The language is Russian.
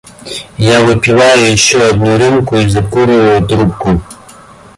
Я выпиваю ещё одну рюмку и закуриваю трубку.